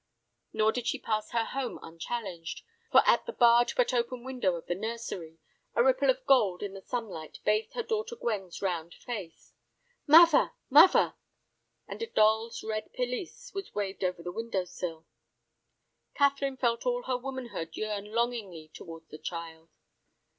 Nor did she pass her home unchallenged, for at the barred but open window of the nursery, a ripple of gold in the sunlight bathed her daughter Gwen's round face, "Muvver, muvver!" and a doll's red pelisse was waved over the window sill. Catherine felt all her womanhood yearn longingly towards the child.